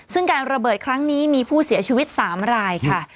ซึ่งการระเบิดครั้งนี้มีผู้เสียชีวิต๓รายค่ะ